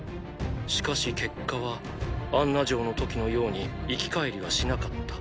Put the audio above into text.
しかし結果はアンナ嬢の時のように生き返りはしなかった。